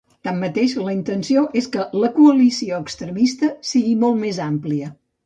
Tanmateix, la intenció és que la coalició extremista sigui molt més àmplia.